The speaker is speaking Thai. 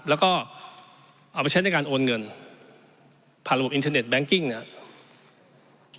แล้วก็เอาไปใช้ในการโอนเงินผ่านระบบอินเทอร์เน็ตแก๊งกิ้งเนี่ย